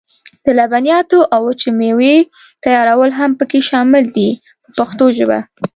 د لبنیاتو او وچې مېوې تیارول هم پکې شامل دي په پښتو ژبه.